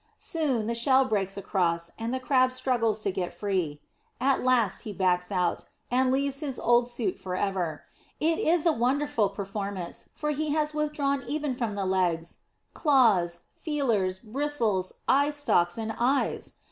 Soon the shell breaks across, and the Crab struggles to get free. At last he backs out, and leaves his old suit for ever. It is a wonderful performance, for he has withdrawn even from the legs, claws, feelers, bristles, eye stalks and eyes!